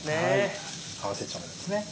合わせ調味料です。